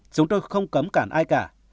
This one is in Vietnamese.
chúng tôi không cấm cản ai cả